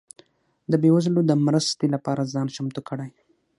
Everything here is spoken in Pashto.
ده بيوزلو ده مرستي لپاره ځان چمتو کړئ